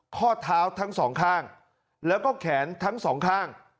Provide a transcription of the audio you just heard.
ข้อเท้าทั้งสองข้างแล้วก็แขนทั้งสองข้าง